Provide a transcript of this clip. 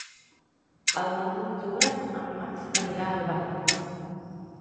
El nou d'octubre en Max anirà a Albal.